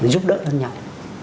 giúp đỡ hơn nhau